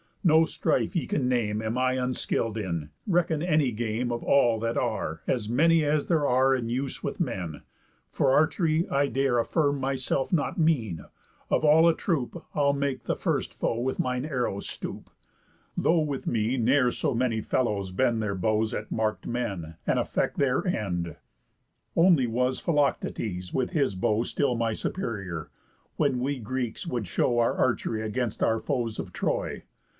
No strife ye can name Am I unskill'd in; reckon any game Of all that are, as many as there are In use with men. For archery I dare Affirm myself not mean. Of all a troop I'll make the first foe with mine arrow stoop, Though with me ne'er so many fellows bend Their bows at mark'd men, and affect their end. Only was Philoctetes with his bow Still my superior, when we Greeks would show Our archery against our foes of Troy.